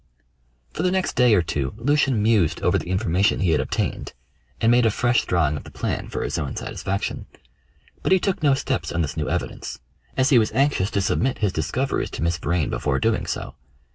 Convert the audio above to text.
For the next day or two Lucian mused over the information he had obtained, and made a fresh drawing of the plan for his own satisfaction; but he took no steps on this new evidence, as he was anxious to submit his discoveries to Miss Vrain before doing so.